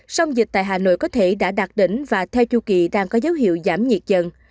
sông dịch tại hà nội có thể đã đạt đỉnh và theo chu kỳ đang có dấu hiệu giảm nhiệt dần